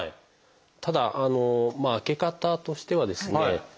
ただ開け方としてはですね